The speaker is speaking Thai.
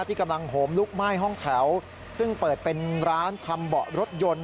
ที่กำลังโหมลุกไหม้ห้องแถวซึ่งเปิดเป็นร้านทำเบาะรถยนต์